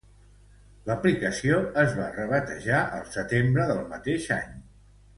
L'aplicació es va rebatejar el setembre del mateix any.